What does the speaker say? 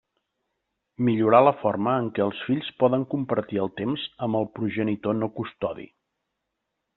Millorar la forma en què els fills poden compartir el temps amb el progenitor no custodi.